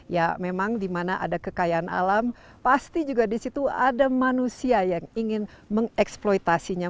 ya memang dimana ada kekayaan alam pasti juga di situ ada manusia yang ingin mengeksploitasinya